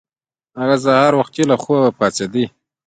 هغه سهار وختي له خوبه پاڅیده.